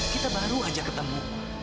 kita baru aja ketemu